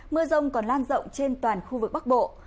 mưa rông còn lan rộng trên toàn khu vực bắc bộ